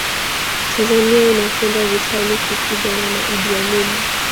Tanzania inakwenda vitani kupigana na Iddi Amini